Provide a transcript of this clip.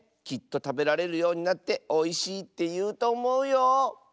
きっとたべられるようになっておいしいっていうとおもうよ。